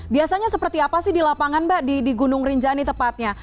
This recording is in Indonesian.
biasanya seperti apa sih di lapangan mbak di gunung rinjani tepatnya